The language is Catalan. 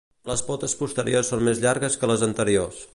Les potes posteriors són més llargues que les anteriors.